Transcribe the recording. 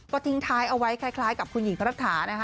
ก็ทิ้งท้ายเอาไว้คล้ายกับคุณหญิงพระรัตถานะคะ